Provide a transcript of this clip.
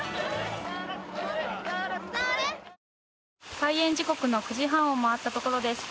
開園時刻の９時半を回ったところです。